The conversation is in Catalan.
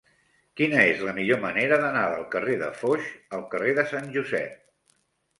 Quina és la millor manera d'anar del carrer de Foix al carrer de Sant Josep?